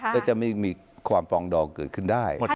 ก็จะมีความปองดองเกิดขึ้นได้